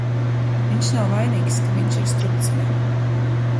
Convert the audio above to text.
Viņš nav vainīgs, ka viņš ir strupceļā.